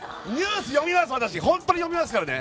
本当に読みますからね。